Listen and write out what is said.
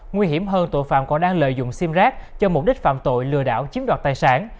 nguy hiểm hơn tội phạm còn đang lợi dụng sim rác cho mục đích phạm tội lừa đảo chiếm đoạt tài sản